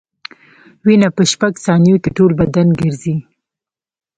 وینه په شپږ ثانیو کې ټول بدن ګرځي.